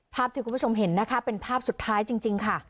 ภาพที่คุณผู้ชมเห็นนะคะเป็นภาพสุดท้ายจริงค่ะ